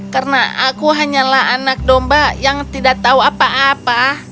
karena aku hanyalah anak domba yang tidak tahu apa apa